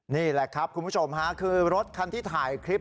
นี่แหละครับคุณผู้ชมฮะคือรถคันที่ถ่ายคลิป